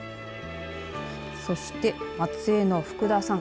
そして松江の福田さん。